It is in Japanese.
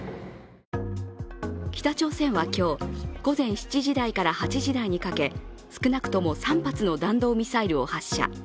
北朝鮮は今日、午前７時台から８時台にかけ少なくとも３発の弾道ミサイルを発射。